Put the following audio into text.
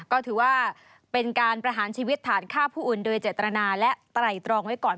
ก็ถือว่าเป็นการประหารชีวิตฐานฆ่าผู้อื่นโดยเจตนาและไตรตรองไว้ก่อน